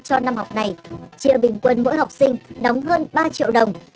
cho năm học này bình quân mỗi học sinh đóng hơn ba triệu đồng